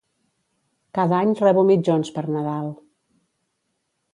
Cada any rebo mitjons per Nadal.